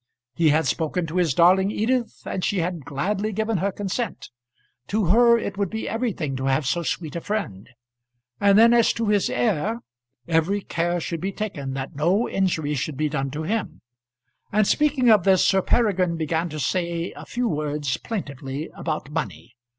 He had spoken to his darling Edith, and she had gladly given her consent. To her it would be everything to have so sweet a friend. And then as to his heir, every care should be taken that no injury should be done to him; and speaking of this, Sir Peregrine began to say a few words, plaintively, about money.